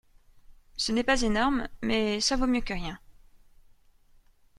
Ce n'est pas énorme ; mais ça vaut mieux que rien.